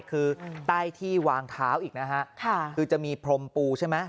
คือใต้ที่วางเท้าอีกนะฮะคือจะมีพรมปูใช่ไหม